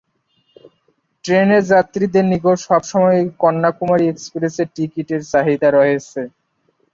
ট্রেনের যাত্রীদের নিকট সবসময়ই কন্যাকুমারী এক্সপ্রেস এর টিকেট এর চাহিদা রয়েছে।